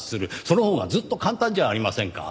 そのほうがずっと簡単じゃありませんか。